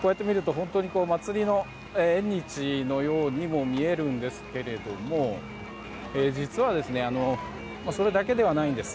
こうやって見ると祭りの縁日のようにも見えるんですけれども実は、それだけではないんです。